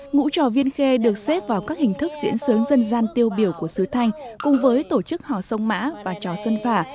ngũ trò viên khê được xếp vào các hình thức diễn sướng dân gian tiêu biểu của sứ thanh cùng với tổ chức hò sông mã và trò xuân phả